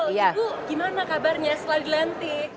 ibu sambil ngobrol ibu gimana kabarnya setelah dilantik